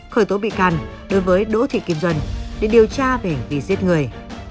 khởi tố bị can đối với đỗ thị kim duân để điều tra về hành vi giết người